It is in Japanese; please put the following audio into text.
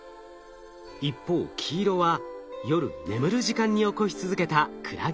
一方黄色は夜眠る時間に起こし続けたクラゲの動き。